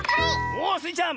おっスイちゃん！